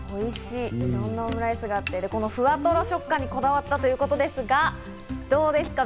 いろんなオムライスがあって、ふわとろ食感にこだわったということですが、どうですか？